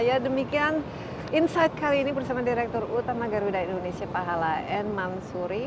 ya demikian insight kali ini bersama direktur utama garuda indonesia pahala n mansuri